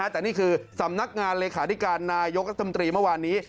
แต่นี่คือสำนักงานเลขาธิการนายกศัพท์ตำฤวันนี้